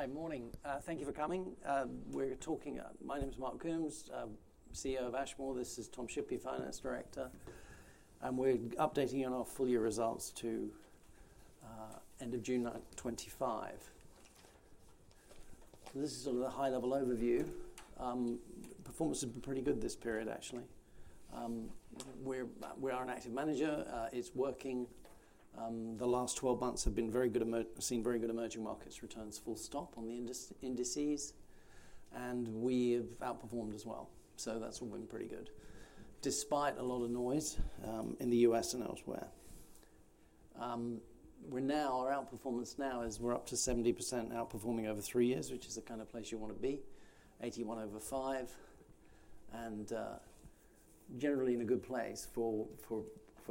... Hi, morning. Thank you for coming. We're talking. My name is Mark Coombs, CEO of Ashmore. This is Tom Shippey, Finance Director, and we're updating you on our full year results to end of June 2025. This is sort of a high level overview. Performance has been pretty good this period, actually. We're an active manager. It's working. The last 12 months have been very good, we've seen very good emerging markets returns, full stop on the indices, and we've outperformed as well. So that's all been pretty good, despite a lot of noise in the U.S. and elsewhere. We're now, our outperformance now is we're up to 70% outperforming over three years, which is the kind of place you want to be, 81% over five, and generally in a good place for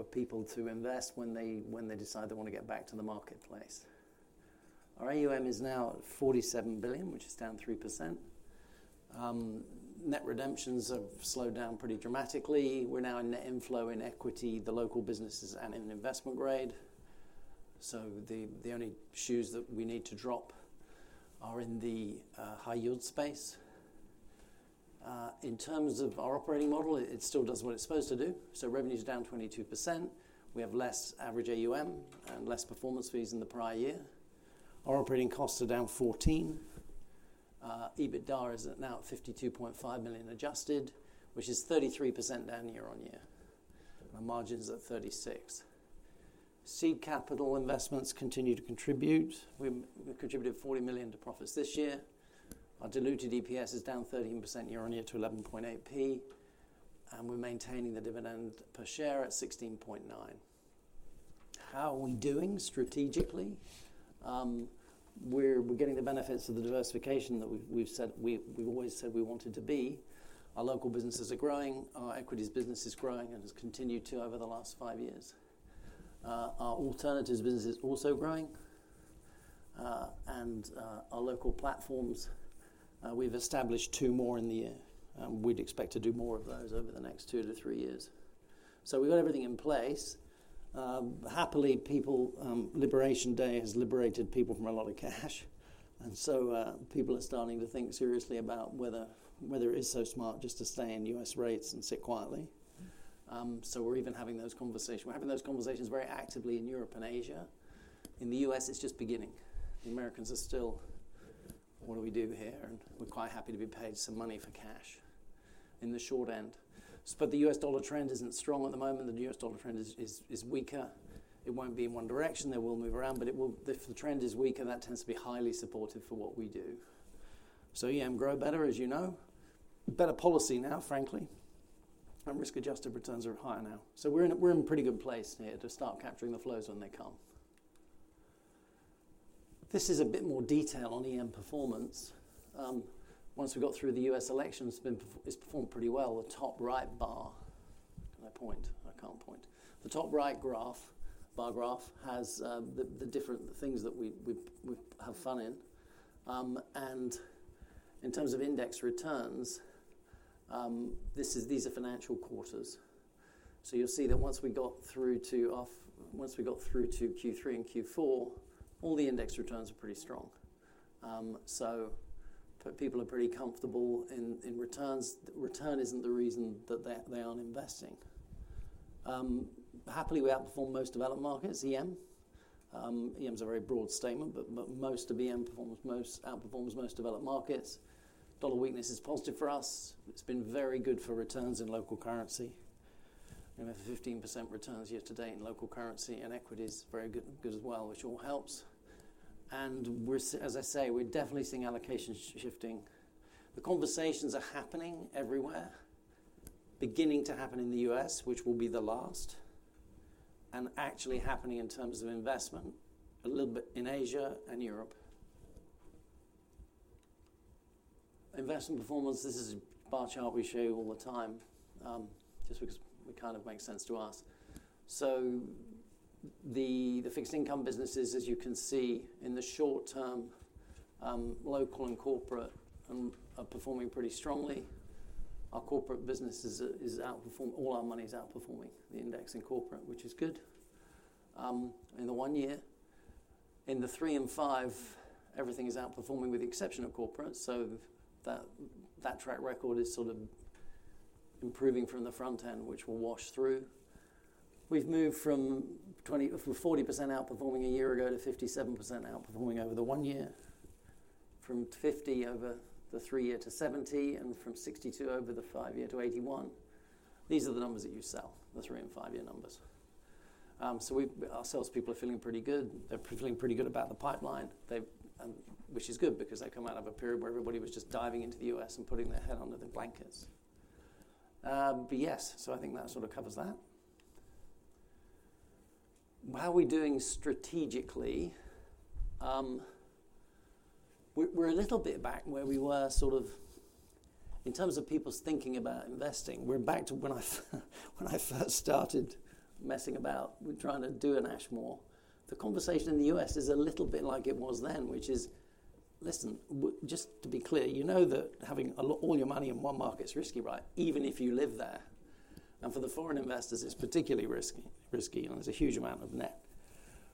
people to invest when they decide they want to get back to the marketplace. Our AUM is now $47 billion, which is down 3%. Net redemptions have slowed down pretty dramatically. We're now a net inflow in equity, the local currency, and in investment grade. So the only shoes that we need to drop are in the high yield space. In terms of our operating model, it still does what it's supposed to do, so revenue is down 22%. We have less average AUM and less performance fees than the prior year. Our operating costs are down 14%. EBITDA is now at 52.5 million adjusted, which is 33% down year on year. Our margin's at 36%. Seed capital investments continue to contribute. We contributed 40 million to profits this year. Our diluted EPS is down 13% year on year to 0.118, and we're maintaining the dividend per share at 0.169. How are we doing strategically? We're getting the benefits of the diversification that we've always said we wanted to be. Our local businesses are growing. Our equities business is growing, and has continued to grow over the last five years. Our alternatives business is also growing. And our local platforms, we've established two more in the year, and we'd expect to do more of those over the next two to three years. So we got everything in place. Happily, people, Liberation Day has liberated people from a lot of cash, and so people are starting to think seriously about whether it's so smart just to stay in US rates and sit quietly. So we're even having those conversations. We're having those conversations very actively in Europe and Asia. In the US, it's just beginning. The Americans are still, "What do we do here?" And, "We're quite happy to be paid some money for cash in the short end." But the US dollar trend isn't strong at the moment. The US dollar trend is weaker. It won't be in one direction. It will move around, but it will... If the trend is weaker, that tends to be highly supportive for what we do. So EM grow better, as you know. Better policy now, frankly, and risk-adjusted returns are higher now. So we're in a pretty good place here to start capturing the flows when they come. This is a bit more detail on EM performance. Once we got through the U.S. elections, it's performed pretty well. The top right bar. Can I point? I can't point. The top right graph, bar graph, has the different things that we have fun in. And in terms of index returns, these are financial quarters. So you'll see that once we got through to Q3 and Q4, all the index returns are pretty strong. So people are pretty comfortable in returns. Return isn't the reason that they aren't investing. Happily, we outperform most developed markets, EM. EM's a very broad statement, but most of EM outperforms most developed markets. Dollar weakness is positive for us. It's been very good for returns in local currency. We have 15% returns year to date in local currency, and equity is very good as well, which all helps. And we're, as I say, we're definitely seeing allocations shifting. The conversations are happening everywhere, beginning to happen in the US, which will be the last, and actually happening in terms of investment a little bit in Asia and Europe. Investment performance, this is a bar chart we show you all the time, just because it kind of makes sense to us. So the fixed income businesses, as you can see, in the short term, local and corporate, are performing pretty strongly. Our corporate business is outperforming... All our money is outperforming the index in corporate, which is good, in the one year. In the three and five, everything is outperforming with the exception of corporate, so that, that track record is sort of improving from the front end, which will wash through. We've moved from 40% outperforming a year ago to 57% outperforming over the one year, from 50% over the three year to 70%, and from 62% over the five year to 81%. These are the numbers that you sell, the three- and five-year numbers. So we, our salespeople are feeling pretty good. They're feeling pretty good about the pipeline. They, which is good, because they've come out of a period where everybody was just diving into the U.S. and putting their head under the blankets. But yes, so I think that sort of covers that. How are we doing strategically? We're a little bit back where we were, sort of, in terms of people's thinking about investing. We're back to when I first started messing about with trying to do an Ashmore. The conversation in the U.S. is a little bit like it was then, which is: "Listen, just to be clear, you know that having all your money in one market is risky, right? Even if you live there."... and for the foreign investors, it's particularly risky, and there's a huge amount of net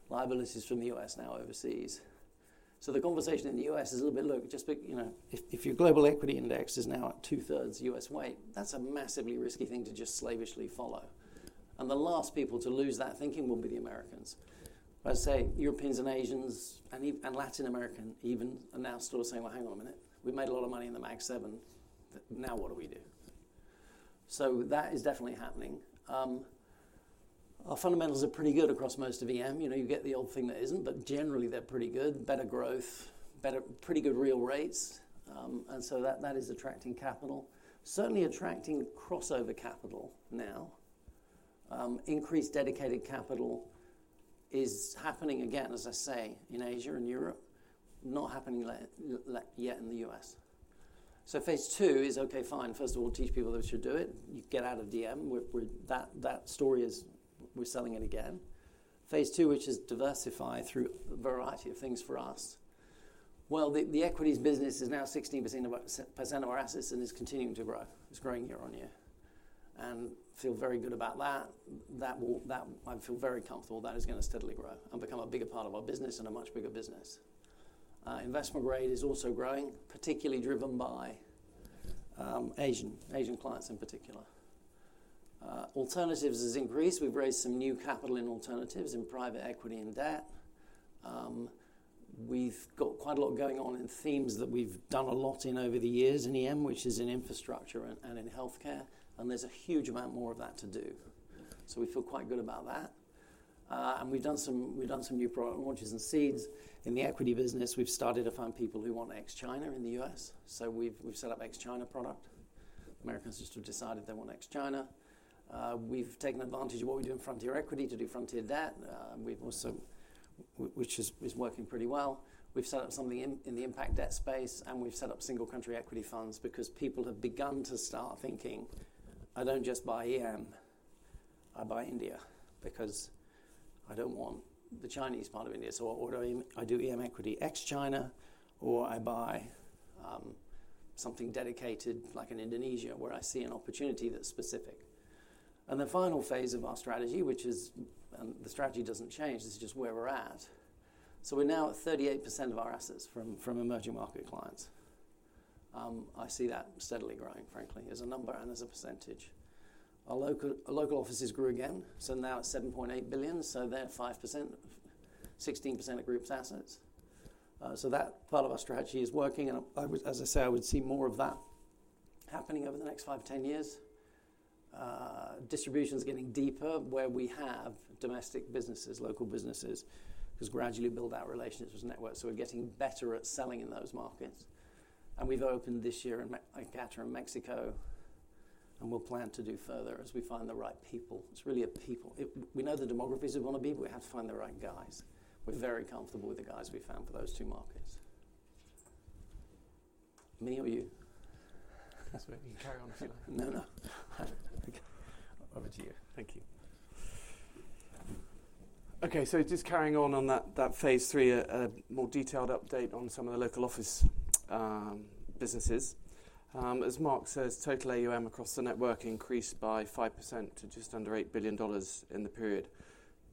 liabilities from the U.S. now overseas. The conversation in the US is a little bit, look, just, you know, if, if your global equity index is now at two thirds US weight, that's a massively risky thing to just slavishly follow, and the last people to lose that thinking will be the Americans. But Europeans, and Asians, and EM and Latin Americans even are now still saying: "Well, hang on a minute. We've made a lot of money in the Mag Seven. Now what do we do?" That is definitely happening. Our fundamentals are pretty good across most of EM. You know, you get the odd thing that isn't, but generally they're pretty good. Better growth, better... pretty good real rates. And so that, that is attracting capital. Certainly attracting crossover capital now. Increased dedicated capital is happening again, as I say, in Asia and Europe, not happening yet in the US. Phase two is, okay, fine, first of all, teach people they should do it. You get out of DM. That story is, we're selling it again. Phase two, which is diversify through a variety of things for us. The equities business is now 16% of our assets and is continuing to grow. It's growing year on year, and feel very good about that. I feel very comfortable that is gonna steadily grow and become a bigger part of our business and a much bigger business. Investment grade is also growing, particularly driven by Asian clients in particular. Alternatives has increased. We've raised some new capital in alternatives, in private equity and debt. We've got quite a lot going on in themes that we've done a lot in over the years in EM, which is in infrastructure and in healthcare, and there's a huge amount more of that to do, so we feel quite good about that. And we've done some new product launches and seeds. In the equity business, we've started to find people who want ex-China in the US, so we've set up ex-China product. Americans just have decided they want ex-China. We've taken advantage of what we do in frontier equity to do frontier debt, which is working pretty well. We've set up some in the impact debt space, and we've set up single country equity funds because people have begun to start thinking, "I don't just buy EM, I buy India, because I don't want the Chinese part of India. So what do I... I do EM equity ex-China, or I buy something dedicated, like in Indonesia, where I see an opportunity that's specific." And the final phase of our strategy, which is, and the strategy doesn't change, this is just where we're at. So we're now at 38% of our assets from emerging market clients. I see that steadily growing, frankly, as a number and as a percentage. Our local offices grew again, so now it's $7.8 billion, so they're 5%, 16% of Group's assets. So that part of our strategy is working, and I would, as I say, I would see more of that happening over the next five to 10 years. Distribution's getting deeper, where we have domestic businesses, local businesses, who's gradually build our relationships network, so we're getting better at selling in those markets. And we've opened this year in Qatar and Mexico, and we'll plan to do further as we find the right people. It's really a people. We know the demographics we wanna be, but we have to find the right guys. We're very comfortable with the guys we've found for those two markets. Many of you? That's right. You carry on if you like. No, no. Over to you. Thank you. Okay, so just carrying on that phase three, a more detailed update on some of the local office businesses. As Mark says, total AUM across the network increased by 5% to just under $8 billion in the period,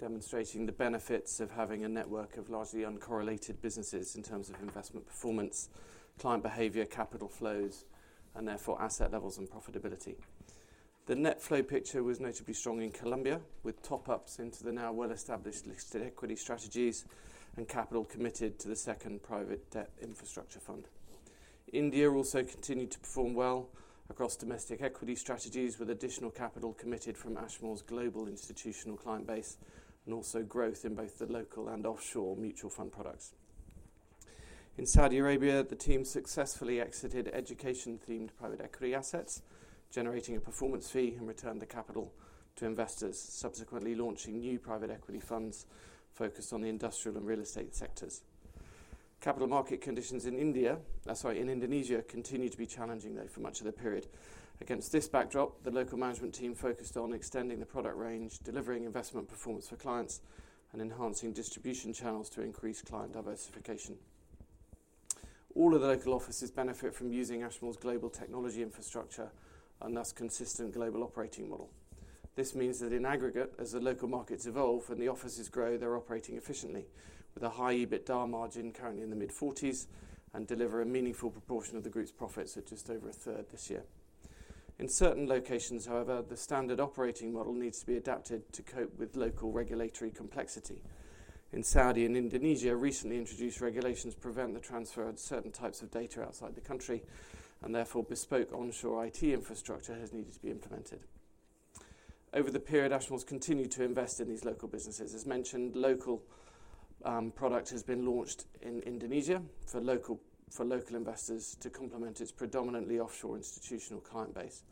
demonstrating the benefits of having a network of largely uncorrelated businesses in terms of investment performance, client behavior, capital flows, and therefore asset levels and profitability. The net flow picture was notably strong in Colombia, with top-ups into the now well-established listed equity strategies and capital committed to the second private debt infrastructure fund. India also continued to perform well across domestic equity strategies, with additional capital committed from Ashmore's global institutional client base and also growth in both the local and offshore mutual fund products. In Saudi Arabia, the team successfully exited education-themed private equity assets, generating a performance fee and returned the capital to investors, subsequently launching new private equity funds focused on the industrial and real estate sectors. Capital market conditions in Indonesia continued to be challenging, though, for much of the period. Against this backdrop, the local management team focused on extending the product range, delivering investment performance for clients, and enhancing distribution channels to increase client diversification. All of the local offices benefit from using Ashmore's global technology infrastructure, and thus consistent global operating model. This means that in aggregate, as the local markets evolve and the offices grow, they're operating efficiently, with a high EBITDA margin currently in the mid-forties, and deliver a meaningful proportion of the group's profits at just over a third this year. In certain locations, however, the standard operating model needs to be adapted to cope with local regulatory complexity. In Saudi and Indonesia, recently introduced regulations prevent the transfer of certain types of data outside the country, and therefore, bespoke onshore IT infrastructure has needed to be implemented. Over the period, Ashmore has continued to invest in these local businesses. As mentioned, local product has been launched in Indonesia for local investors to complement its predominantly offshore institutional client base.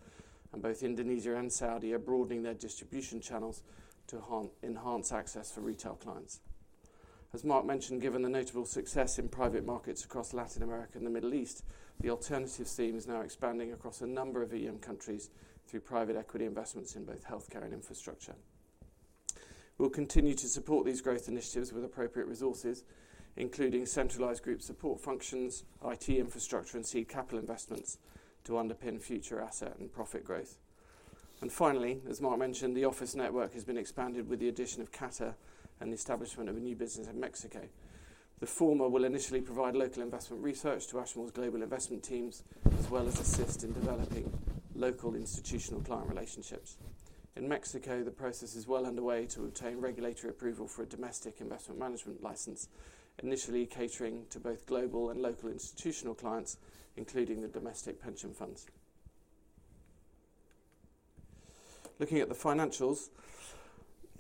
Both Indonesia and Saudi are broadening their distribution channels to enhance access for retail clients. As Mark mentioned, given the notable success in private markets across Latin America and the Middle East, the alternatives team is now expanding across a number of EM countries through private equity investments in both healthcare and infrastructure. We'll continue to support these growth initiatives with appropriate resources, including centralized group support functions, IT infrastructure, and seed capital investments to underpin future asset and profit growth. And finally, as Mark mentioned, the office network has been expanded with the addition of Qatar and the establishment of a new business in Mexico. The former will initially provide local investment research to Ashmore's global investment teams, as well as assist in developing local institutional client relationships. In Mexico, the process is well underway to obtain regulatory approval for a domestic investment management license, initially catering to both global and local institutional clients, including the domestic pension funds. Looking at the financials,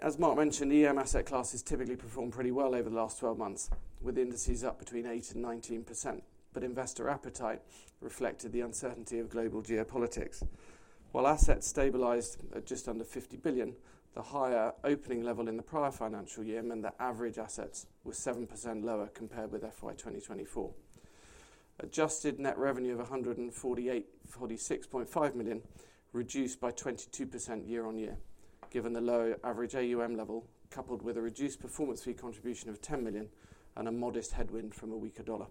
as Mark mentioned, EM asset classes typically performed pretty well over the last 12 months, with indices up between 8% and 19%, but investor appetite reflected the uncertainty of global geopolitics. While assets stabilized at just under $50 billion, the higher opening level in the prior financial year meant that average assets were 7% lower compared with FY 2024. Adjusted net revenue of 146.5 million, reduced by 22% year-on-year, given the low average AUM level, coupled with a reduced performance fee contribution of 10 million and a modest headwind from a weaker dollar.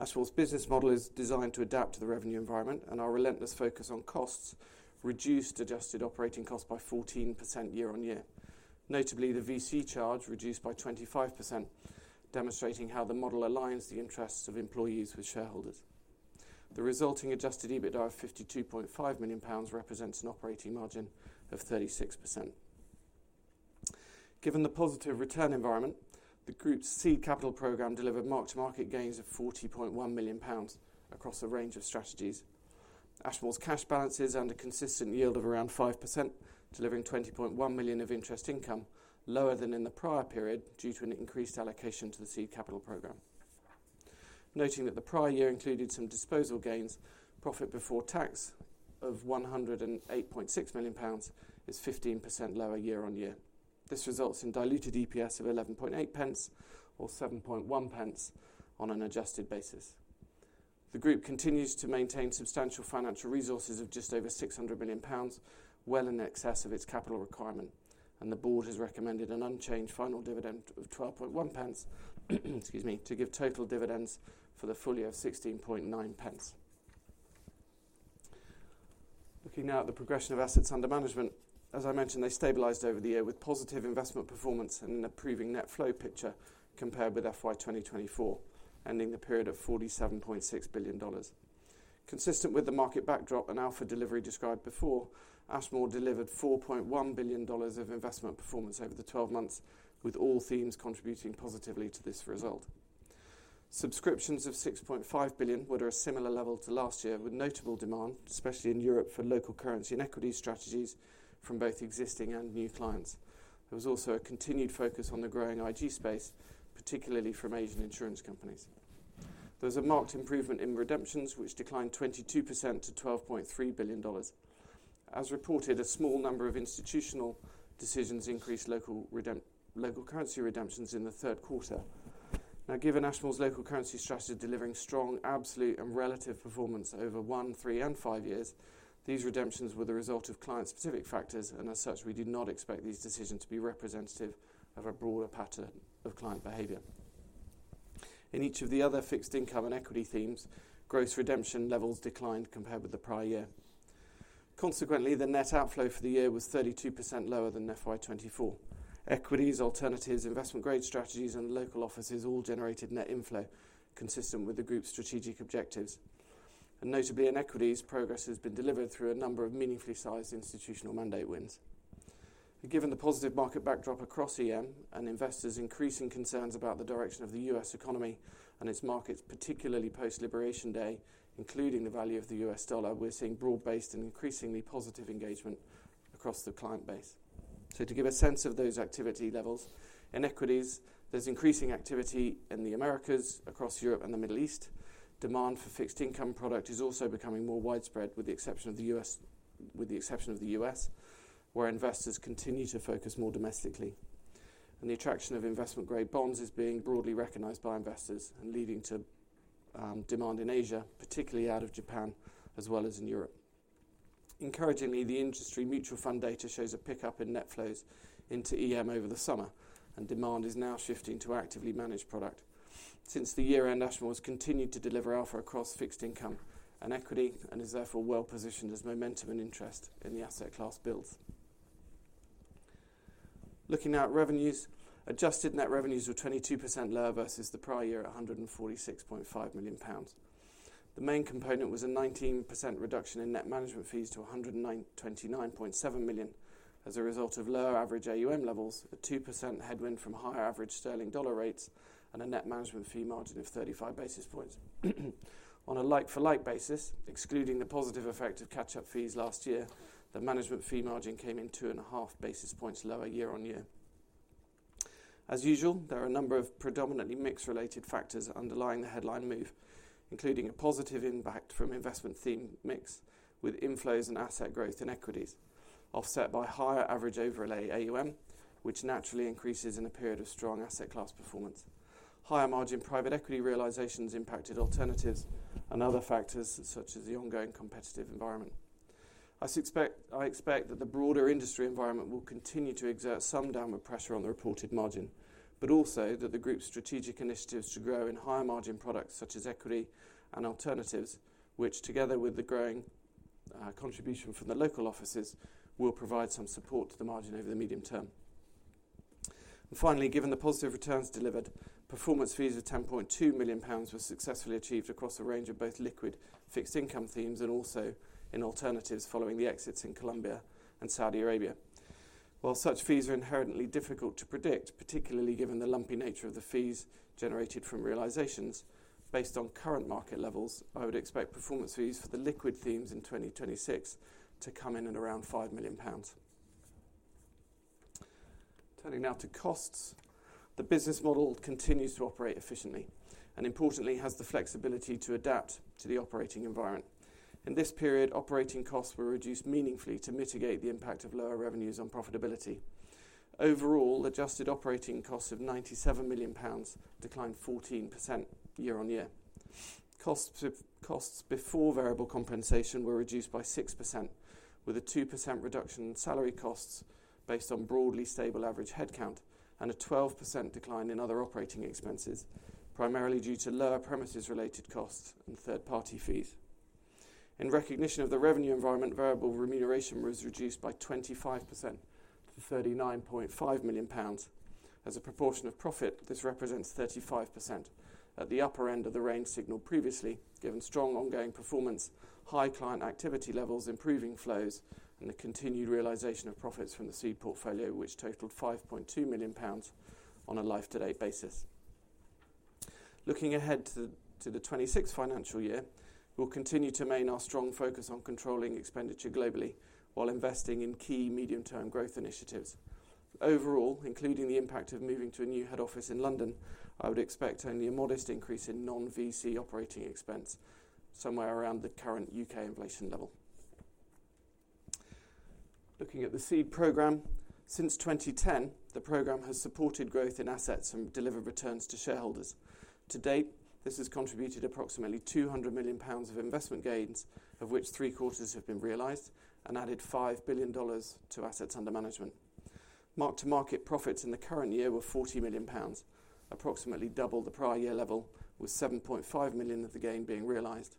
Ashmore's business model is designed to adapt to the revenue environment, and our relentless focus on costs reduced adjusted operating costs by 14% year-on-year. Notably, the VC charge reduced by 25%, demonstrating how the model aligns the interests of employees with shareholders. The resulting adjusted EBITDA of 52.5 million pounds represents an operating margin of 36%. Given the positive return environment, the group's seed capital program delivered mark-to-market gains of 40.1 million pounds across a range of strategies. Ashmore's cash balances and a consistent yield of around 5%, delivering 20.1 million of interest income, lower than in the prior period due to an increased allocation to the seed capital program. Noting that the prior year included some disposal gains, profit before tax of 108.6 million pounds is 15% lower year-on-year. This results in diluted EPS of 11.8 pence, or 7.1 pence on an adjusted basis. The group continues to maintain substantial financial resources of just over 600 million pounds, well in excess of its capital requirement, and the board has recommended an unchanged final dividend of 0.121, excuse me, to give total dividends for the full year of 0.169. Looking now at the progression of assets under management, as I mentioned, they stabilized over the year with positive investment performance and an improving net flow picture compared with FY 2024, ending the period of $47.6 billion. Consistent with the market backdrop and alpha delivery described before, Ashmore delivered $4.1 billion of investment performance over the twelve months, with all themes contributing positively to this result. Subscriptions of $6.5 billion were at a similar level to last year, with notable demand, especially in Europe, for local currency and equity strategies from both existing and new clients. There was also a continued focus on the growing IG space, particularly from Asian insurance companies. There was a marked improvement in redemptions, which declined 22% to $12.3 billion. As reported, a small number of institutional decisions increased local currency redemptions in the third quarter. Now, given Ashmore's local currency strategy delivering strong, absolute and relative performance over one, three, and five years, these redemptions were the result of client-specific factors, and as such, we do not expect these decisions to be representative of a broader pattern of client behavior. In each of the other fixed income and equity themes, gross redemption levels declined compared with the prior year. Consequently, the net outflow for the year was 32% lower than FY 2024. Equities, alternatives, investment-grade strategies, and local offices all generated net inflow, consistent with the group's strategic objectives. And notably, in equities, progress has been delivered through a number of meaningfully sized institutional mandate wins. Given the positive market backdrop across EM, and investors' increasing concerns about the direction of the U.S. economy and its markets, particularly post-Liberation Day, including the value of the U.S. dollar, we're seeing broad-based and increasingly positive engagement across the client base. So to give a sense of those activity levels, in equities, there's increasing activity in the Americas, across Europe and the Middle East. Demand for fixed income product is also becoming more widespread, with the exception of the U.S., where investors continue to focus more domestically. The attraction of investment-grade bonds is being broadly recognized by investors and leading to demand in Asia, particularly out of Japan, as well as in Europe. Encouragingly, the industry mutual fund data shows a pickup in net flows into EM over the summer, and demand is now shifting to actively managed product. Since the year-end, Ashmore has continued to deliver alpha across fixed income and equity, and is therefore well-positioned as momentum and interest in the asset class builds. Looking now at revenues. Adjusted net revenues were 22% lower versus the prior year, at 146.5 million pounds. The main component was a 19% reduction in net management fees to £129.7 million, as a result of lower average AUM levels, a 2% headwind from higher average sterling dollar rates, and a net management fee margin of thirty-five basis points. On a like-for-like basis, excluding the positive effect of catch-up fees last year, the management fee margin came in two and a half basis points lower year-on-year. As usual, there are a number of predominantly mix-related factors underlying the headline move, including a positive impact from investment theme mix, with inflows and asset growth in equities, offset by higher average overlay AUM, which naturally increases in a period of strong asset class performance, higher margin private equity realizations impacted alternatives, and other factors, such as the ongoing competitive environment. I expect that the broader industry environment will continue to exert some downward pressure on the reported margin, but also that the group's strategic initiatives to grow in higher margin products, such as equity and alternatives, which together with the growing contribution from the local offices, will provide some support to the margin over the medium term. And finally, given the positive returns delivered, performance fees of 10.2 million pounds were successfully achieved across a range of both liquid fixed income themes and also in alternatives following the exits in Colombia and Saudi Arabia. While such fees are inherently difficult to predict, particularly given the lumpy nature of the fees generated from realizations, based on current market levels, I would expect performance fees for the liquid themes in 2026 to come in at around 5 million pounds. Turning now to costs. The business model continues to operate efficiently, and importantly, has the flexibility to adapt to the operating environment. In this period, operating costs were reduced meaningfully to mitigate the impact of lower revenues on profitability. Overall, adjusted operating costs of 97 million pounds declined 14% year-on-year. Costs before variable compensation were reduced by 6%, with a 2% reduction in salary costs based on broadly stable average headcount and a 12% decline in other operating expenses, primarily due to lower premises-related costs and third-party fees. In recognition of the revenue environment, variable remuneration was reduced by 25% to 39.5 million pounds. As a proportion of profit, this represents 35%. At the upper end of the range signaled previously, given strong ongoing performance, high client activity levels, improving flows, and the continued realization of profits from the seed portfolio, which totaled 5.2 million pounds on a life-to-date basis. Looking ahead to the twenty-sixth financial year, we'll continue to maintain our strong focus on controlling expenditure globally while investing in key medium-term growth initiatives. Overall, including the impact of moving to a new head office in London, I would expect only a modest increase in non-VC operating expense, somewhere around the current UK inflation level. Looking at the seed program, since 2010, the program has supported growth in assets and delivered returns to shareholders. To date, this has contributed approximately 200 million pounds of investment gains, of which three quarters have been realized and added $5 billion to assets under management. Mark to market profits in the current year were 40 million pounds, approximately double the prior year level, with 7.5 million of the gain being realized.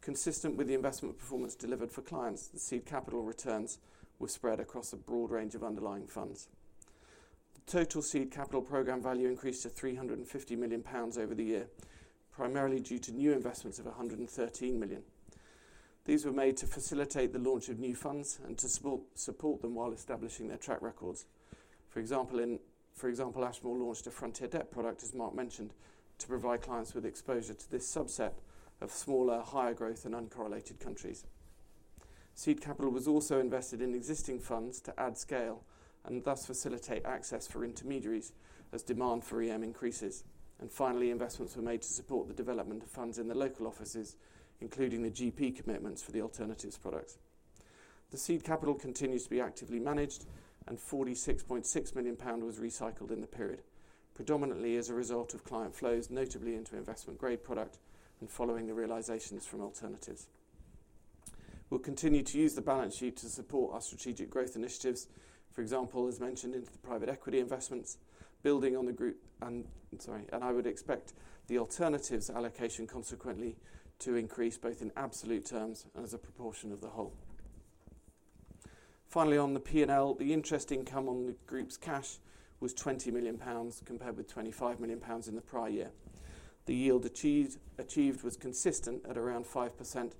Consistent with the investment performance delivered for clients, the seed capital returns were spread across a broad range of underlying funds. The total seed capital program value increased to 350 million pounds over the year, primarily due to new investments of 113 million. These were made to facilitate the launch of new funds and to support them while establishing their track records. For example, Ashmore launched a frontier debt product, as Mark mentioned, to provide clients with exposure to this subset of smaller, higher growth and uncorrelated countries. Seed capital was also invested in existing funds to add scale and thus facilitate access for intermediaries as demand for EM increases. And finally, investments were made to support the development of funds in the local offices, including the GP commitments for the alternatives products. The seed capital continues to be actively managed, and 46.6 million pound was recycled in the period, predominantly as a result of client flows, notably into investment-grade product and following the realizations from alternatives. We'll continue to use the balance sheet to support our strategic growth initiatives, for example, as mentioned, into the private equity investments, building on the group and... I'm sorry. And I would expect the alternatives allocation consequently to increase both in absolute terms and as a proportion of the whole. Finally, on the P&L, the interest income on the group's cash was 20 million pounds, compared with 25 million pounds in the prior year. The yield achieved was consistent at around 5%,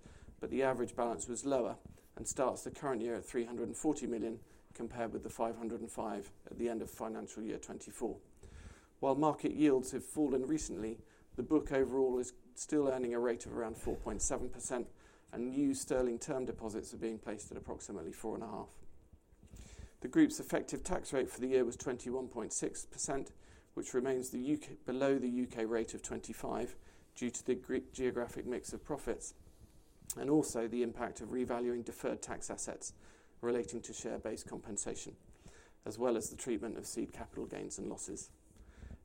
but the average balance was lower and starts the current year at 340 million, compared with the 505 at the end of financial year 2024. While market yields have fallen recently, the book overall is still earning a rate of around 4.7%, and new sterling term deposits are being placed at approximately 4.5%. The group's effective tax rate for the year was 21.6%, which remains below the UK rate of 25%, due to the great geographic mix of profits and also the impact of revaluing deferred tax assets relating to share-based compensation, as well as the treatment of seed capital gains and losses.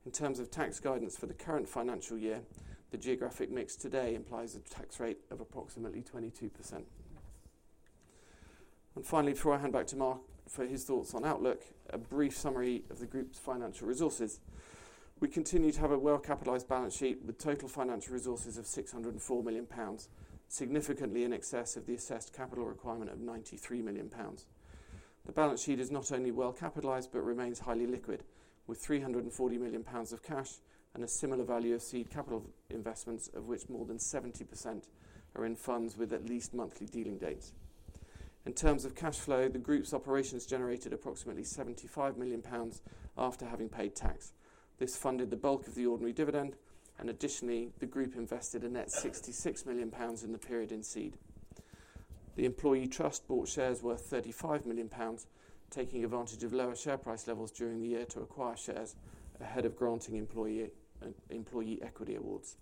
In terms of tax guidance for the current financial year, the geographic mix today implies a tax rate of approximately 22%. And finally, before I hand back to Mark for his thoughts on outlook, a brief summary of the group's financial resources. We continue to have a well-capitalized balance sheet with total financial resources of 604 million pounds, significantly in excess of the assessed capital requirement of 93 million pounds. The balance sheet is not only well capitalized, but remains highly liquid, with 340 million pounds of cash and a similar value of seed capital investments, of which more than 70% are in funds with at least monthly dealing dates. In terms of cash flow, the group's operations generated approximately 75 million pounds after having paid tax. This funded the bulk of the ordinary dividend, and additionally, the group invested a net 66 million pounds in the period in seed. The employee trust bought shares worth 35 million pounds, taking advantage of lower share price levels during the year to acquire shares ahead of granting employee equity awards.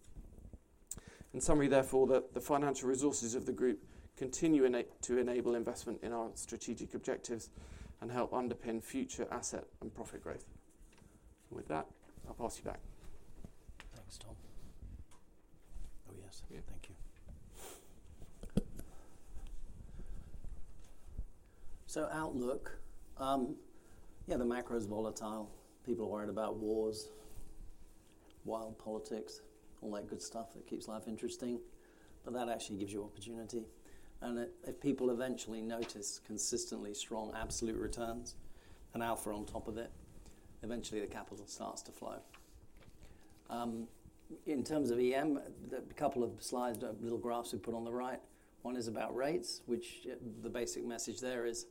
In summary, therefore, the financial resources of the group continue to enable investment in our strategic objectives and help underpin future asset and profit growth. With that, I'll pass you back. Thanks, Tom. Oh, yes. Thank you. So outlook. Yeah, the macro is volatile. People are worried about wars, wild politics, all that good stuff that keeps life interesting, but that actually gives you opportunity. And if people eventually notice consistently strong absolute returns, and alpha on top of it, eventually the capital starts to flow. In terms of EM, the couple of slides, the little graphs we put on the right, one is about rates, which, the basic message there is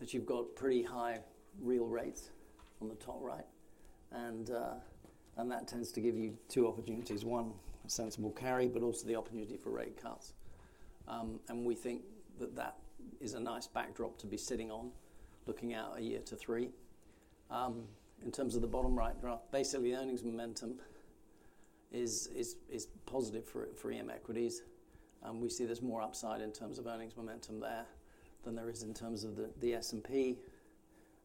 that you've got pretty high real rates on the top right, and that tends to give you two opportunities. One, a sensible carry, but also the opportunity for rate cuts. And we think that that is a nice backdrop to be sitting on, looking out a year to three. In terms of the bottom right graph, basically, earnings momentum is positive for EM equities, and we see there's more upside in terms of earnings momentum there than there is in terms of the S&P.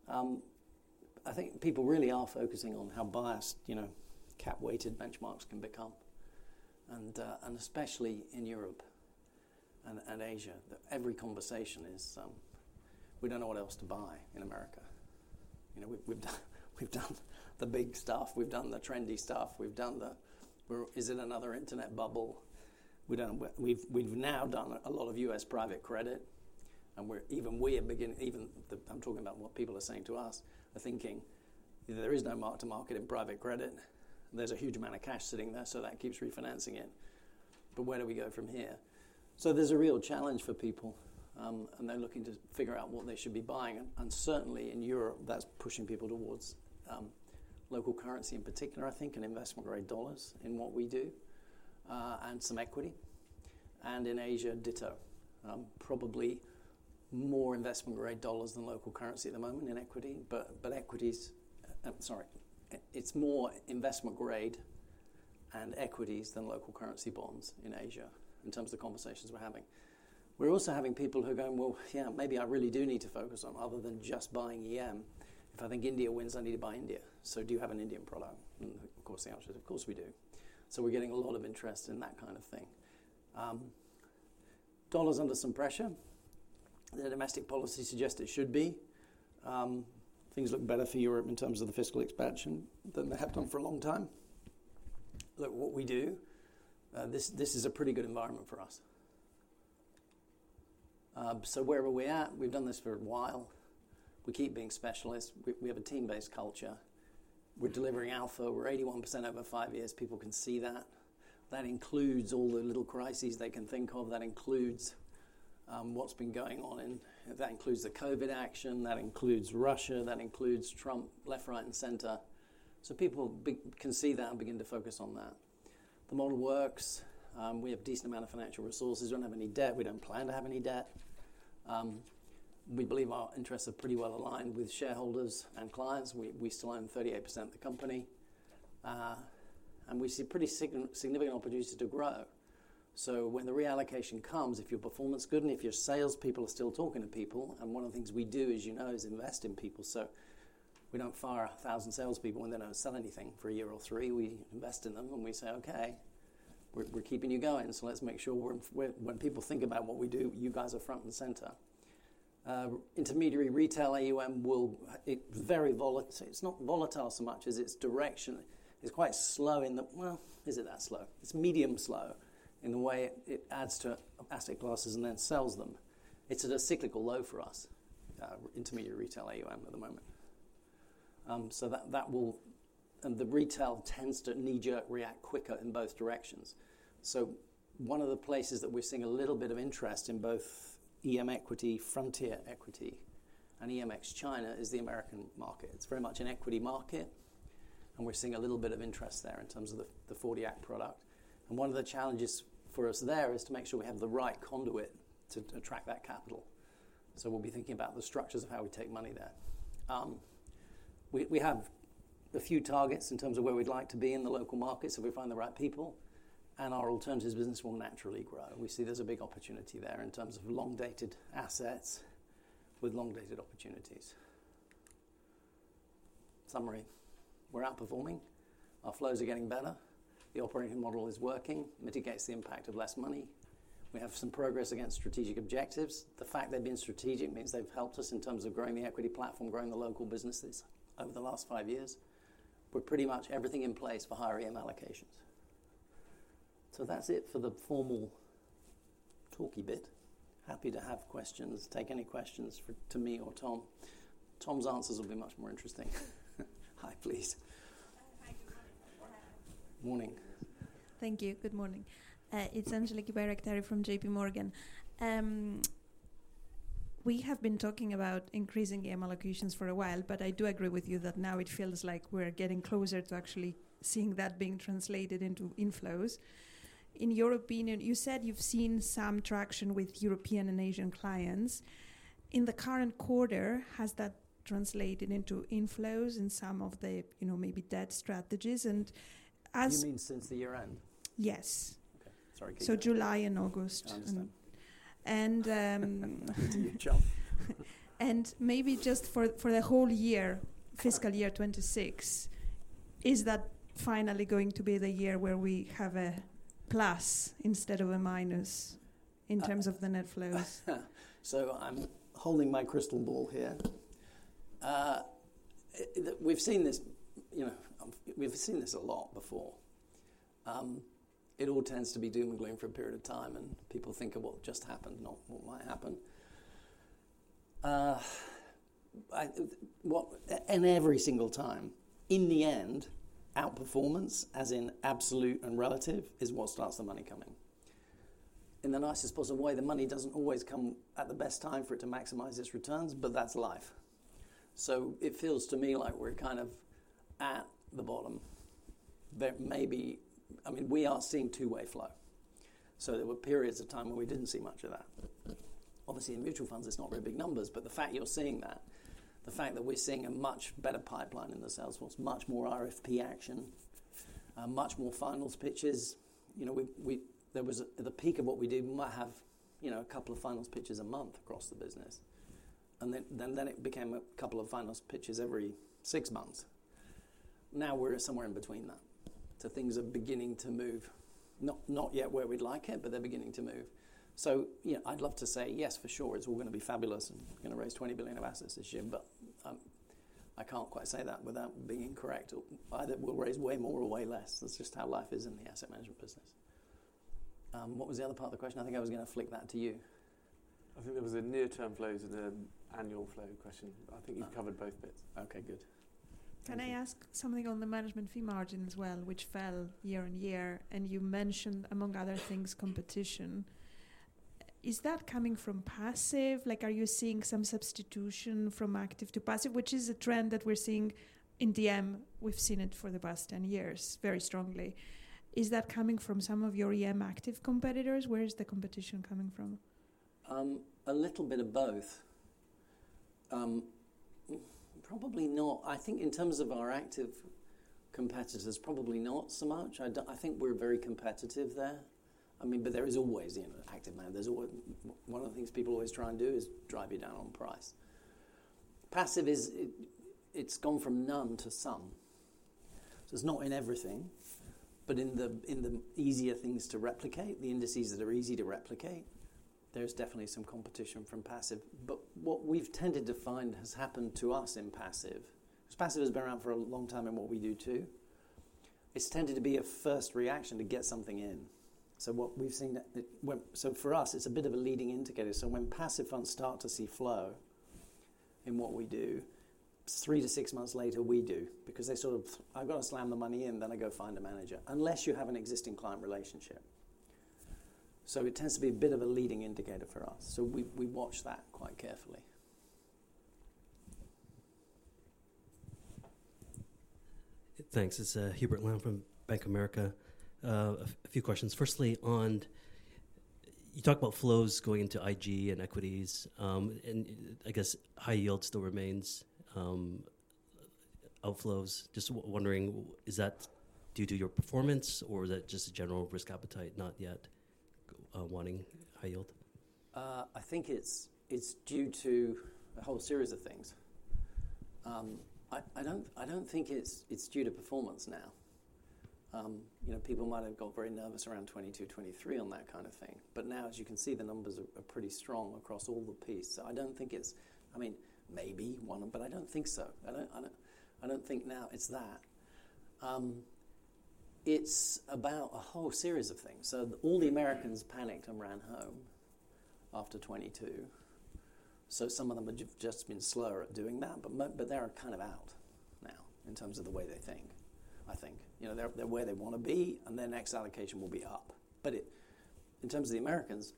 I think people really are focusing on how biased, you know, cap-weighted benchmarks can become, and especially in Europe and Asia, that every conversation is, "We don't know what else to buy in America. You know, we've done the big stuff, we've done the trendy stuff. We've done the... We're. Is it another internet bubble? We've done, we've now done a lot of US private credit, and we're, even we are beginning," Even the... I'm talking about what people are saying to us, are thinking there is no mark to market in private credit, and there's a huge amount of cash sitting there, so that keeps refinancing it. But where do we go from here? So there's a real challenge for people, and they're looking to figure out what they should be buying. And certainly, in Europe, that's pushing people towards local currency in particular, I think, and investment grade dollars in what we do, and some equity. And in Asia, ditto. Probably more investment grade dollars than local currency at the moment in equity, but equities. Sorry, it's more investment grade and equities than local currency bonds in Asia, in terms of the conversations we're having. We're also having people who are going, "Well, yeah, maybe I really do need to focus on other than just buying EM. If I think India wins, I need to buy India. So do you have an Indian product?" And of course, the answer is, "Of course, we do." So we're getting a lot of interest in that kind of thing. The dollar's under some pressure. The domestic policy suggests it should be. Things look better for Europe in terms of the fiscal expansion than they have done for a long time. Look, what we do. This is a pretty good environment for us. So where are we at? We've done this for a while. We keep being specialists. We have a team-based culture. We're delivering alpha. We're 81% over five years. People can see that. That includes all the little crises they can think of, that includes what's been going on, and that includes the COVID action, that includes Russia, that includes Trump, left, right, and center. So people can see that and begin to focus on that. The model works. We have a decent amount of financial resources. We don't have any debt. We don't plan to have any debt. We believe our interests are pretty well aligned with shareholders and clients. We still own 38% of the company and we see pretty significant opportunity to grow. So when the reallocation comes, if your performance is good, and if your salespeople are still talking to people, and one of the things we do, as you know, is invest in people. So we don't fire 1,000 salespeople, and they don't sell anything for a year or three. We invest in them, and we say, "Okay, we're keeping you going, so let's make sure we're, when people think about what we do, you guys are front and center." Intermediary retail AUM will, it very volatile. It's not volatile so much as its direction. It's quite slow. Well, is it that slow? It's medium slow, in the way it adds to asset classes and then sells them. It's at a cyclical low for us, intermediary retail AUM at the moment. So that will. The retail tends to knee-jerk react quicker in both directions. So one of the places that we're seeing a little bit of interest in both EM equity, frontier equity, and EM ex-China, is the American market. It's very much an equity market, and we're seeing a little bit of interest there in terms of the 40 Act product, and one of the challenges for us there is to make sure we have the right conduit to attract that capital, so we'll be thinking about the structures of how we take money there. We have a few targets in terms of where we'd like to be in the local market, so we find the right people, and our alternatives business will naturally grow. We see there's a big opportunity there in terms of long-dated assets with long-dated opportunities. Summary: We're outperforming, our flows are getting better, the operating model is working, mitigates the impact of less money, we have some progress against strategic objectives. The fact they've been strategic means they've helped us in terms of growing the equity platform, growing the local businesses over the last five years, but pretty much everything in place for higher EM allocations, so that's it for the formal talky bit. Happy to have questions. Take any questions for me or to Tom. Tom's answers will be much more interesting. Hi, please. Good morning. Thank you. Good morning. It's Angeliki Bairaktari from JP Morgan. We have been talking about increasing EM allocations for a while, but I do agree with you that now it feels like we're getting closer to actually seeing that being translated into inflows. In your opinion, you said you've seen some traction with European and Asian clients. In the current quarter, has that translated into inflows in some of the, you know, maybe debt strategies? And as- You mean since the year-end? Yes, so July and August. I understand. And, um, - Do you jump? Maybe just for the whole year, fiscal year 2026, is that finally going to be the year where we have a plus instead of a minus in terms of the net flows? So I'm holding my crystal ball here. We've seen this, you know, we've seen this a lot before. It all tends to be doom and gloom for a period of time, and people think of what just happened, not what might happen. And every single time, in the end, outperformance, as in absolute and relative, is what starts the money coming. In the nicest possible way, the money doesn't always come at the best time for it to maximize its returns, but that's life. So it feels to me like we're kind of at the bottom. There may be... I mean, we are seeing two-way flow, so there were periods of time where we didn't see much of that. Obviously, in mutual funds, it's not very big numbers, but the fact you're seeing that, the fact that we're seeing a much better pipeline in the sales force, much more RFP action, much more finals pitches. You know, we, there was at the peak of what we did, we might have, you know, a couple of finals pitches a month across the business, and then, then it became a couple of finals pitches every six months. Now, we're somewhere in between that. So things are beginning to move. Not yet where we'd like it, but they're beginning to move. So, you know, I'd love to say, "Yes, for sure, it's all gonna be fabulous, and we're gonna raise twenty billion of assets this year," but, I can't quite say that without being incorrect, or either we'll raise way more or way less. That's just how life is in the asset management business. What was the other part of the question? I think I was gonna flick that to you. I think there was a near-term flows and an annual flow question. Ah. I think you've covered both bits. Okay, good. Can I ask something on the management fee margin as well, which fell year on year, and you mentioned, among other things, competition? Is that coming from passive? Like, are you seeing some substitution from active to passive, which is a trend that we're seeing in DM? We've seen it for the past ten years very strongly. Is that coming from some of your EM active competitors? Where is the competition coming from? A little bit of both. Probably not. I think in terms of our active competitors, probably not so much. I think we're very competitive there. I mean, but there is always, in active land, there's always one of the things people always try and do is drive you down on price. Passive is, it's gone from none to some. So it's not in everything, but in the easier things to replicate, the indices that are easy to replicate, there's definitely some competition from passive. But what we've tended to find has happened to us in passive, 'cause passive has been around for a long time in what we do, too, it's tended to be a first reaction to get something in. So what we've seen, so for us, it's a bit of a leading indicator. So when passive funds start to see flow in what we do, three to six months later, we do, because they sort of, "I've got to slam the money in, then I go find a manager," unless you have an existing client relationship. So it tends to be a bit of a leading indicator for us, so we watch that quite carefully. Thanks. It's Hubert Lam from Bank of America. A few questions. Firstly, on... You talk about flows going into IG and equities, and I guess high yield still remains outflows. Just wondering, is that due to your performance, or is that just a general risk appetite not yet wanting high yield? I think it's due to a whole series of things. I don't think it's due to performance now. You know, people might have got very nervous around 2022, 2023 on that kind of thing, but now, as you can see, the numbers are pretty strong across all the pieces. So I don't think it's that. I mean, maybe one of them, but I don't think so. I don't think now it's that. It's about a whole series of things. So all the Americans panicked and ran home after 2022, so some of them have just been slower at doing that, but they are kind of out now, in terms of the way they think, I think. You know, they're where they want to be, and their next allocation will be up. But in terms of the Americans,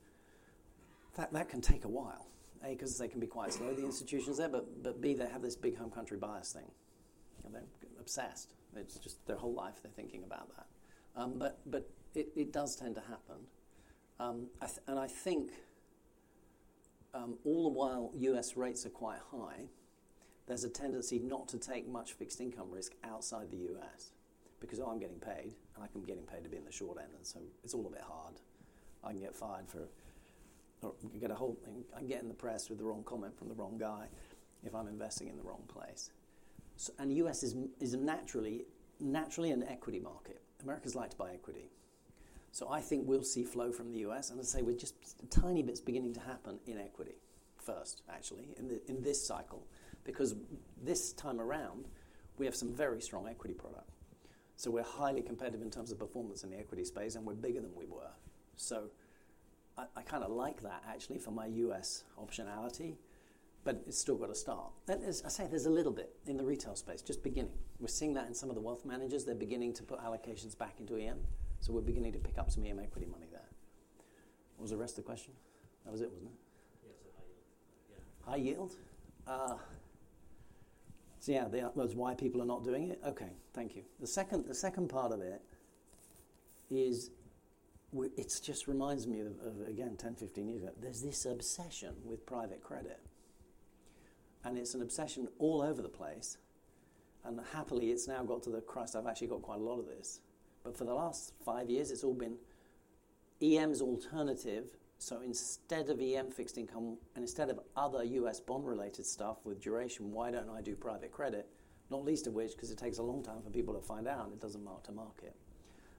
that can take a while. A, 'cause they can be quite slow, the institutions there. But B, they have this big home country bias thing, and they're obsessed. It's just their whole life, they're thinking about that. But it does tend to happen. And I think all the while US rates are quite high, there's a tendency not to take much fixed income risk outside the US, because I'm getting paid, and I'm getting paid to be in the short end, and so it's all a bit hard. I can get fired for... Or you get a whole thing. I get in the press with the wrong comment from the wrong guy if I'm investing in the wrong place. So, and the US is naturally an equity market. Americans like to buy equity. So I think we'll see flow from the U.S., and I'd say with just tiny bits beginning to happen in equity, first, actually, in this cycle, because this time around, we have some very strong equity product. So we're highly competitive in terms of performance in the equity space, and we're bigger than we were. So I kind of like that, actually, for my U.S. optionality, but it's still got to start. Then, as I say, there's a little bit in the retail space, just beginning. We're seeing that in some of the wealth managers. They're beginning to put allocations back into EM, so we're beginning to pick up some EM equity money there. What was the rest of the question? That was it, wasn't it? Yeah, so high yield. Yeah. High yield? So yeah, that was why people are not doing it? Okay, thank you. The second part of it is it's just reminds me of, of, again, 10, 15 years ago. There's this obsession with private credit... and it's an obsession all over the place, and happily, it's now got to the crux. I've actually got quite a lot of this, but for the last five years, it's all been EM's alternative. So instead of EM fixed income, and instead of other US bond-related stuff with duration, why don't I do private credit? Not least of which, 'cause it takes a long time for people to find out, and it doesn't mark to market.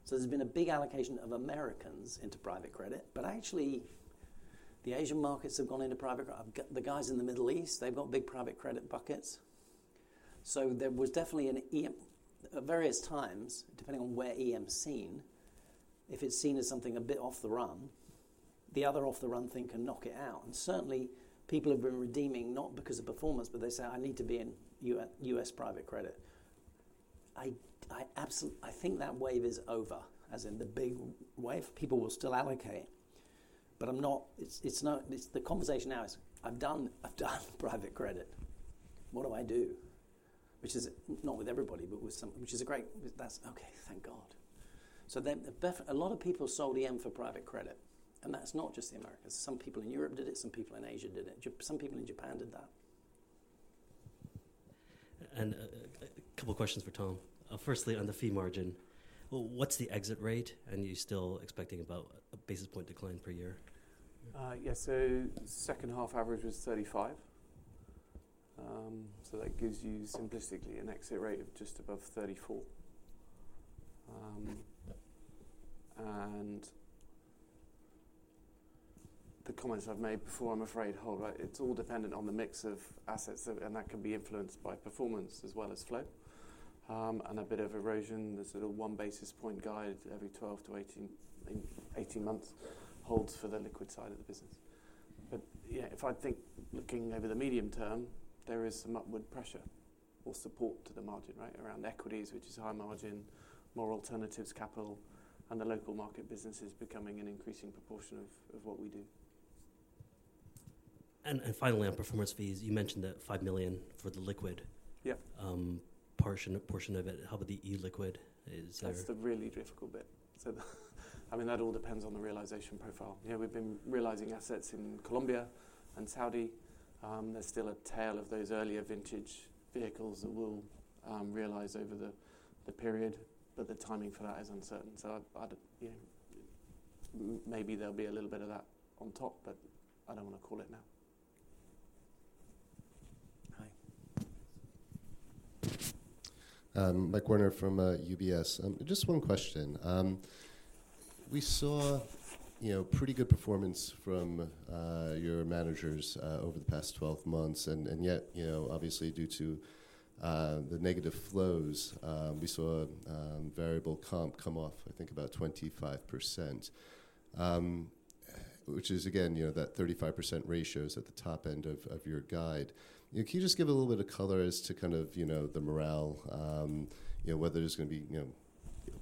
So there's been a big allocation of Americans into private credit, but actually, the Asian markets have gone into private credit. I've got the guys in the Middle East, they've got big private credit buckets. So there was definitely an EM. At various times, depending on where EM's seen, if it's seen as something a bit off the run, the other off the run thing can knock it out, and certainly, people have been redeeming, not because of performance, but they say, "I need to be in US private credit." I absolutely think that wave is over, as in the big wave. People will still allocate, but it's not. The conversation now is: "I've done private credit. What do I do?" Which is not with everybody, but with some, which is a great. That's okay, thank God. So then, definitely a lot of people sold EM for private credit, and that's not just the Americans. Some people in Europe did it, some people in Asia did it. Some people in Japan did that. And, a couple questions for Tom. Firstly, on the fee margin, well, what's the exit rate, and are you still expecting about a basis point decline per year? Yes, so second half average was 35. So that gives you simplistically an exit rate of just above 34. And the comments I've made before, I'm afraid, hold, right? It's all dependent on the mix of assets that, and that can be influenced by performance as well as flow. And a bit of erosion. The sort of one basis point guide every 12 to 18 months holds for the liquid side of the business. But yeah, if I think looking over the medium term, there is some upward pressure or support to the margin, right? Around equities, which is high margin, more alternatives, capital, and the local market business is becoming an increasing proportion of what we do. Finally, on performance fees, you mentioned that 5 million for the liquid- Yeah... portion of it. How about the e-liquid? Is there- That's the really difficult bit. So I mean, that all depends on the realization profile. Yeah, we've been realizing assets in Colombia and Saudi. There's still a tail of those earlier vintage vehicles that we'll realize over the period, but the timing for that is uncertain. So I'd, you know, maybe there'll be a little bit of that on top, but I don't want to call it now. Hi. Michael Werner from UBS. Just one question. We saw, you know, pretty good performance from your managers over the past twelve months, and yet, you know, obviously, due to the negative flows, we saw variable comp come off, I think, about 25%. Which is, again, you know, that 35% ratio is at the top end of your guide. Can you just give a little bit of color as to kind of, you know, the morale, you know, whether there's gonna be, you know,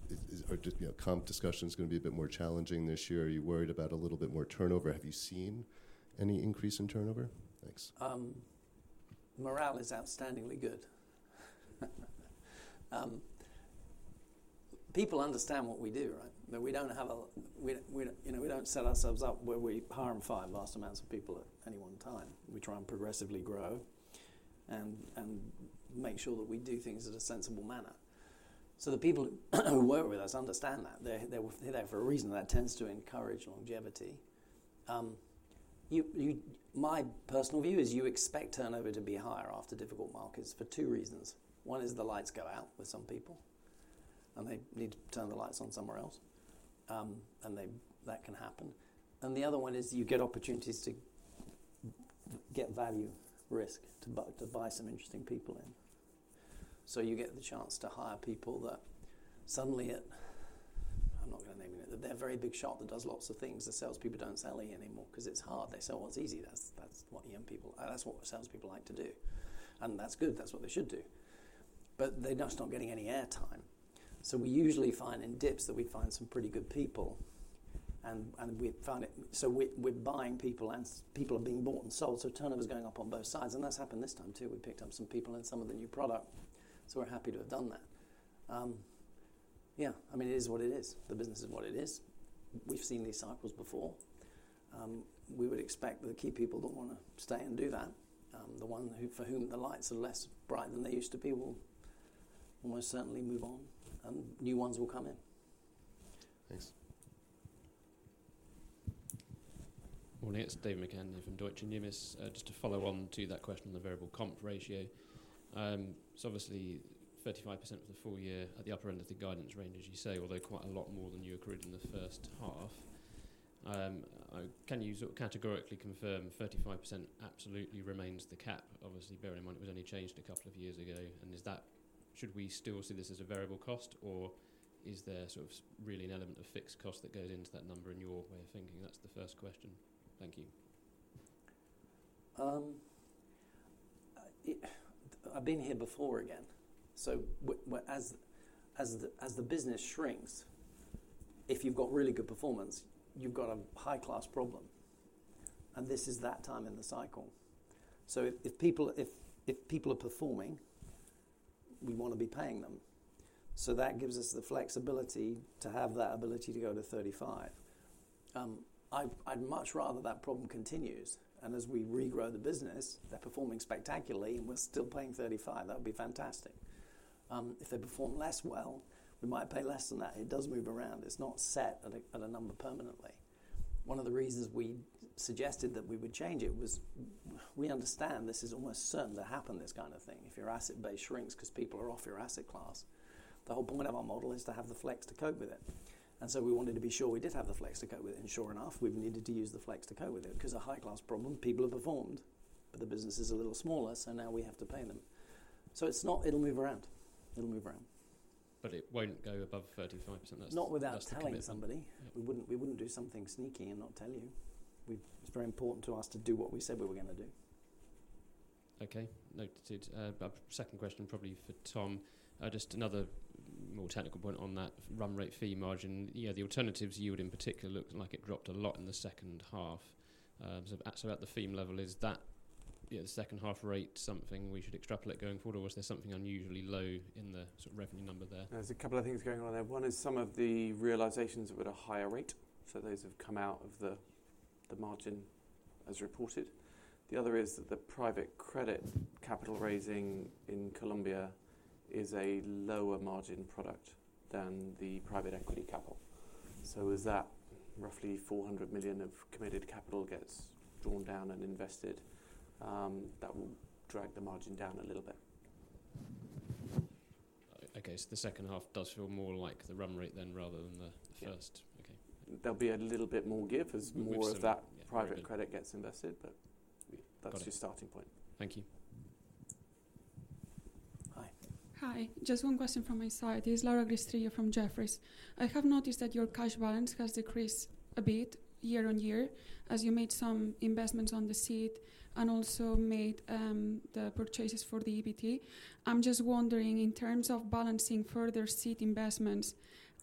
is- or, you know, comp discussion is gonna be a bit more challenging this year? Are you worried about a little bit more turnover? Have you seen any increase in turnover? Thanks. Morale is outstandingly good. People understand what we do, right, but we don't, you know, we don't set ourselves up where we hire and fire vast amounts of people at any one time. We try and progressively grow and make sure that we do things in a sensible manner, so the people who work with us understand that. They're there for a reason. That tends to encourage longevity. My personal view is you expect turnover to be higher after difficult markets for two reasons. One is the lights go out with some people, and they need to turn the lights on somewhere else. That can happen, and the other one is you get opportunities to get value hires, to buy some interesting people in. So you get the chance to hire people that suddenly, I'm not gonna name any, but they're a very big shot that does lots of things. The salespeople don't sell anymore 'cause it's hard. They sell what's easy. That's what young people, that's what salespeople like to do, and that's good. That's what they should do. But they're just not getting any airtime. So we usually find in dips that we find some pretty good people, and we found it. So we're buying people, and people are being bought and sold, so turnover is going up on both sides, and that's happened this time, too. We picked up some people in some of the new product, so we're happy to have done that. Yeah, I mean, it is what it is. The business is what it is. We've seen these cycles before. We would expect the key people that wanna stay and do that, the one for whom the lights are less bright than they used to be, will almost certainly move on, and new ones will come in. Thanks. Morning, it's David McCann here from Deutsche Numis. Just to follow on to that question on the variable comp ratio, so obviously, 35% for the full year at the upper end of the guidance range, as you say, although quite a lot more than you accrued in the first half. Can you sort of categorically confirm 35% absolutely remains the cap? Obviously, bearing in mind it was only changed a couple of years ago, and is that, should we still see this as a variable cost, or is there sort of really an element of fixed cost that goes into that number in your way of thinking? That's the first question. Thank you. I've been here before again, well, as the business shrinks, if you've got really good performance, you've got a high-class problem, and this is that time in the cycle. So if people are performing, we want to be paying them. So that gives us the flexibility to have that ability to go to thirty-five. I'd much rather that problem continues, and as we regrow the business, they're performing spectacularly and we're still paying thirty-five. That would be fantastic. If they perform less well, we might pay less than that. It does move around. It's not set at a number permanently. One of the reasons we suggested that we would change it was we understand this is almost certain to happen, this kind of thing, if your asset base shrinks 'cause people are off your asset class. The whole point of our model is to have the flex to cope with it, and so we wanted to be sure we did have the flex to cope with it, and sure enough, we've needed to use the flex to cope with it 'cause a high class problem, people have performed, but the business is a little smaller, so now we have to pay them. So it's not... It'll move around. It'll move around. But it won't go above 35%. That's, that's the commitment. Not without telling somebody. Yeah. We wouldn't do something sneaky and not tell you. It's very important to us to do what we said we were going to do. Okay. Noted. Second question probably for Tom, just another more technical point on that run rate fee margin. Yeah, the alternatives you would in particular look like it dropped a lot in the second half. So at the fee level, is that, you know, the second half rate something we should extrapolate going forward, or was there something unusually low in the sort of revenue number there? There's a couple of things going on there. One is some of the realizations were at a higher rate, so those have come out of the margin as reported. The other is that the private credit capital raising in Colombia is a lower margin product than the private equity capital. So as that roughly 400 million of committed capital gets drawn down and invested, that will drag the margin down a little bit. Okay, so the second half does feel more like the run rate than, rather than the- Yeah. -first? Okay. There'll be a little bit more give as more- But, so yeah. of that private credit gets invested, but that's- Got it... your starting point. Thank you. Hi. Hi. Just one question from my side. It's Laura Griscti from Jefferies. I have noticed that your cash balance has decreased a bit year on year, as you made some investments on the seed and also made the purchases for the EBT. I'm just wondering, in terms of balancing further seed investments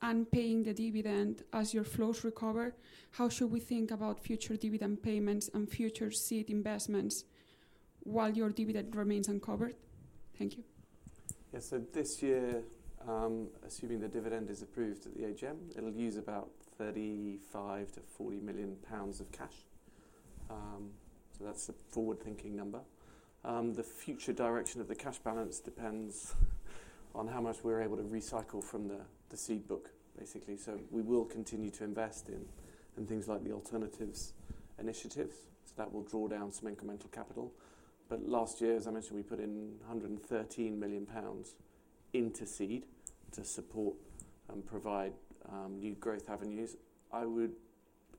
and paying the dividend as your flows recover, how should we think about future dividend payments and future seed investments while your dividend remains uncovered? Thank you. Yeah, so this year, assuming the dividend is approved at the AGM, it'll use about 35 million to 40 million pounds of cash. So that's a forward-thinking number. The future direction of the cash balance depends on how much we're able to recycle from the, the seed book, basically. So we will continue to invest in, in things like the alternatives initiatives, so that will draw down some incremental capital. But last year, as I mentioned, we put in 113 million pounds into seed to support and provide, new growth avenues. I would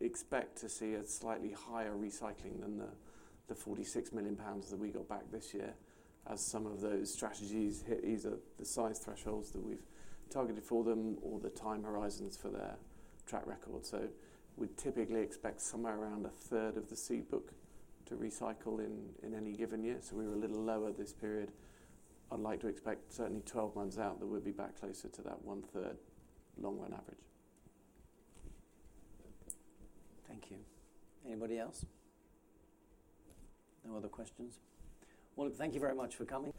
expect to see a slightly higher recycling than the, the 46 million pounds that we got back this year, as some of those strategies hit either the size thresholds that we've targeted for them or the time horizons for their track record. So we'd typically expect somewhere around a third of the seed book to recycle in any given year. So we were a little lower this period. I'd like to expect certainly 12 months out that we'll be back closer to that one third long run average. Thank you. Anybody else? No other questions. Well, thank you very much for coming.